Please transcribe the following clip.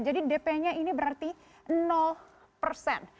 dp nya ini berarti persen